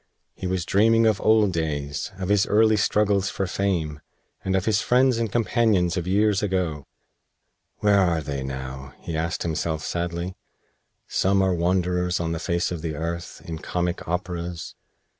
He was dreaming of old days, of his early struggles for fame, and of his friends and companions of years ago. "Where are they now?" he asked himself, sadly. "Some are wanderers on the face of the earth, in comic operas.